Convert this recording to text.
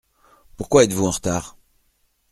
Pourquoi êtes-vous en retard ?